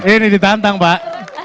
ini ditantang mbak